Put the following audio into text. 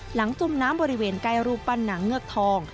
จมน้ำบริเวณใกล้รูปปั้นหนังเงือกทอง